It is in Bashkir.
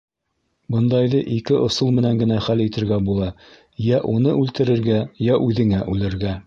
Бындайҙы ике ысул менән генә хәл итергә була: йә уны үлтерергә, йә үҙеңә үлергә.